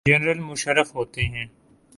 General Musharraf ہوتے ہیں۔